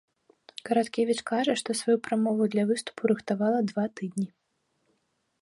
Караткевіч кажа, што сваю прамову для выступу рыхтавала два тыдні.